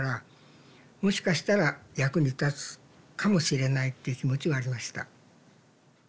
もしかしたら役に立つかもしれないっていう気持ちはありました。